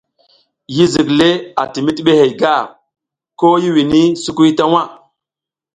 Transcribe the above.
Yi zik le a ti mizlihey gar ko i wini sukuy ta waʼ.